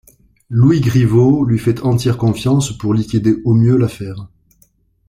Louis Griveau lui fait entière confiance pour liquider au mieux l'affaire.